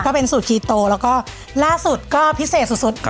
เป็นสูตรคีโตแล้วก็ล่าสุดก็พิเศษสุด